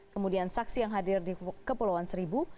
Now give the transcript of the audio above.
kemudian saksi yang hadir di kepulauan seribu